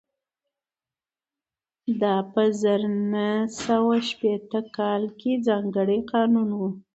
دا په زر نه سوه شپېته کال کې ځانګړی قانون و